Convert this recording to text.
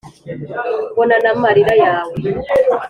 mbona n’amarira yawe,